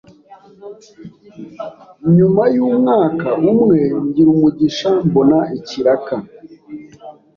nyum y’umwaka umwe ngira umugisha mbona ikiraka